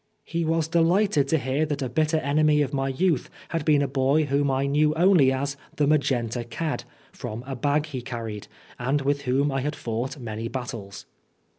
He was delighted to hear that a bitter enemy of my youth had been a boy whom I knew only as "the Magenta Cad " from a bag he carried, and with whom I had fought many battles.